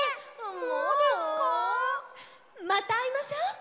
またあいましょう。